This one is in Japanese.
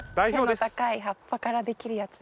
背の高い葉っぱからできるやつ。